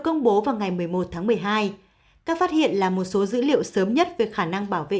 công bố vào ngày một mươi một tháng một mươi hai các phát hiện là một số dữ liệu sớm nhất về khả năng bảo vệ